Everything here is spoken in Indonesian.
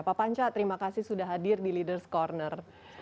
pak panca terima kasih sudah hadir di leaders' corner